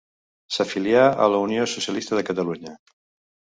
S'afilià a la Unió Socialista de Catalunya.